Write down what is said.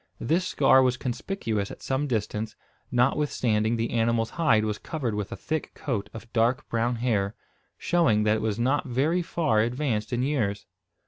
This scar was conspicuous at some distance, notwithstanding the animal's hide was covered with a thick coat of dark brown hair, showing that it was not very far advanced in years.